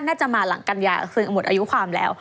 น่าจะมาหลังกันยาคืนอำมุดอายุความแล้ว